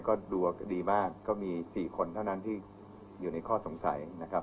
ก็ดูดีมากก็มี๔คนเท่านั้นที่อยู่ในข้อสงสัยนะครับ